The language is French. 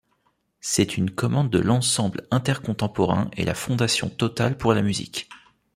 C'est une commande de l'Ensemble intercontemporain et la Fondation Total pour la musique.